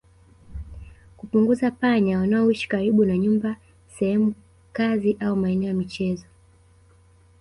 Kupunguza panya wanaoishi karibu na nyumba sehemu kazi au maeneo ya michezo